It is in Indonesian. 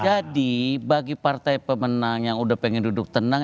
jadi bagi partai pemenang yang udah pengen duduk tenang